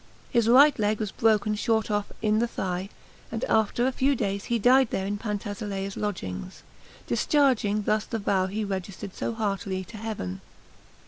His right leg was broken short off in the thigh; and after a few days he died there in Pantisilea's lodgings, discharging thus the vow he registered so heartily to Heaven.